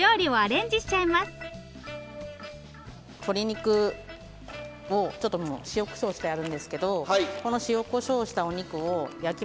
鶏肉をちょっともう塩コショウしてあるんですけどこの塩コショウしたお肉を焼きます。